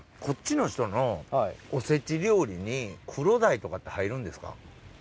こっちの人のおせち料理にクロダイとかって入るんですか？